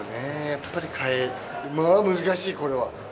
やっぱり代え、もう難しい、これは。